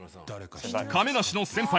亀梨の先輩